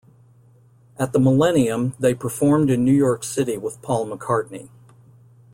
At the millennium, they performed in New York City with Paul McCartney.